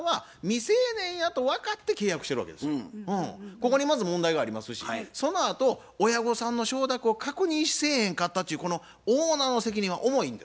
ここにまず問題がありますしそのあと親御さんの承諾を確認せえへんかったっちゅうこのオーナーの責任は重いんですわ。